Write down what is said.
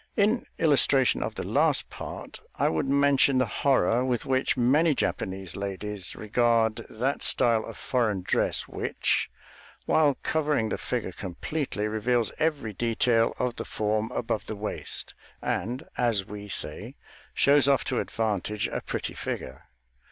In illustration of the last part, I would mention the horror with which many Japanese ladies regard that style of foreign dress which, while covering the figure completely, reveals every detail of the form above the waist, and, as we say, shows off to advantage a pretty figure.